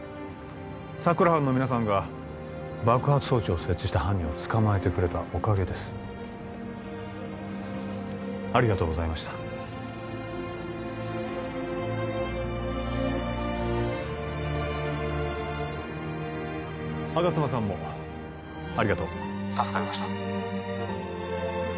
佐久良班の皆さんが爆発装置を設置した犯人を捕まえてくれたおかげですありがとうございました吾妻さんもありがとう助かりました